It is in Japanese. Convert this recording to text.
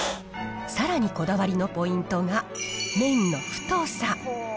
さらにこだわりのポイントは、麺の太さ。